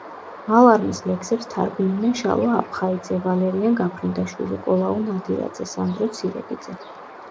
მალარმეს ლექსებს თარგმნიდნენ შალვა აფხაიძე, ვალერიან გაფრინდაშვილი, კოლაუ ნადირაძე, სანდრო ცირეკიძე.